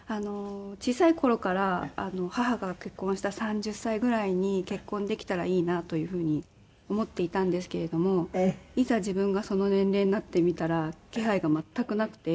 小さい頃から母が結婚した３０歳ぐらいに結婚できたらいいなというふうに思っていたんですけれどもいざ自分がその年齢になってみたら気配が全くなくて。